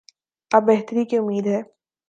اب بہتری کی امید ہے۔